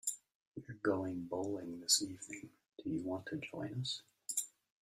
We're going bowling this evening, do you want to join us?